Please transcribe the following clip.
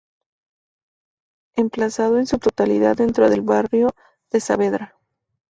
Emplazado en su totalidad dentro del barrio de Saavedra.